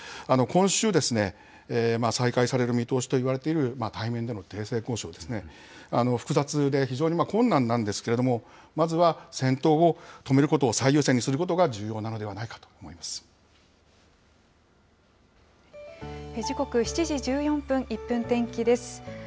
今週、再開される見通しといわれている、対面での停戦交渉ですね、複雑で非常に困難なんですけれども、まずは戦闘を止めることを最優先にすることが重要なのではな時刻７時１４分、１分天気です。